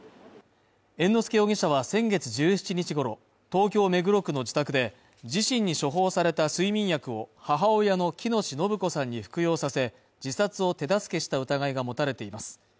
猿之助容疑者は先月１７日ごろ、東京目黒区の自宅で、自身に処方された睡眠薬を母親の喜熨斗延子さんに服用させ、自殺を手助けした疑いが持たれています。